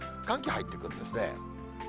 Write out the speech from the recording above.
寒気入ってくるんですね。